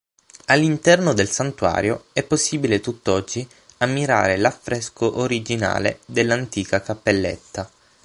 All'interno del santuario è possibile tutt'oggi ammirare l’affresco originale dell'antica cappelletta.